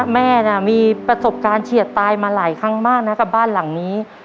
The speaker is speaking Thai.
แม่น่ะมีประสบการณ์เฉียดตายมาหลายครั้งมากนะกับบ้านหลังนี้